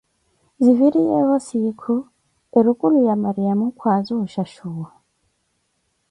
Ziviriyeevo siikhu, erukulo ya Mariyamo kwaaza o shashuwa.